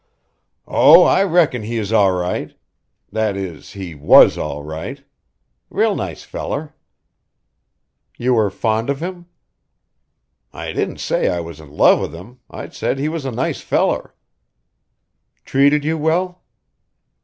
"Oh, I reckon he is all right. That is, he was all right. Real nice feller." "You were fond of him?" "I didn't say I was in love with him. I said he was a nice feller." "Treated you well?"